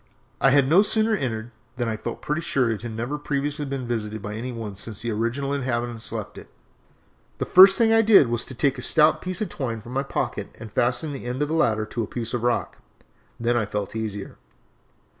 I had no sooner entered than I felt pretty sure it had never previously been visited by any one since the original inhabitants left it. The first thing I did was to take a stout piece of twine from my pocket and fasten the end of the ladder to a piece of rock. Then I felt easier.